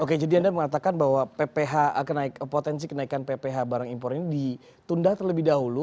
oke jadi anda mengatakan bahwa potensi kenaikan pph barang impor ini ditunda terlebih dahulu